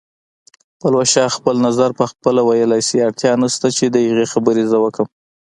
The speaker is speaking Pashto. پلوشه خپل نظر پخپله ویلی شي، اړتیا نشته چې د هغې خبرې زه وکړم